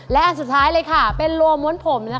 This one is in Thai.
และอันสุดท้ายเลยค่ะเป็นรัวม้วนผม